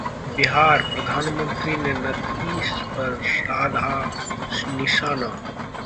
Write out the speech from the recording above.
बिहार: प्रधानमंत्री ने नीतीश पर साधा निशाना